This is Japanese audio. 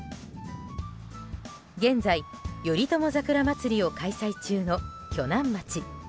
現在、頼朝桜まつりを開催中の鋸南町。